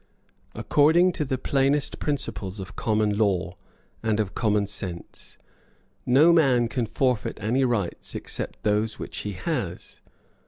According to the plainest principles of common law and of common sense, no man can forfeit any rights except those which he has.